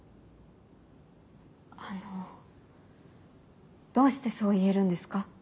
あのどうしてそう言えるんですか？